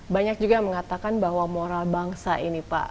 banyak juga yang mengatakan bahwa moral bangsa ini pak